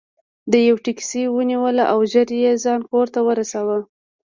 ده یوه ټکسي ونیوله او ژر یې ځان کور ته ورساوه.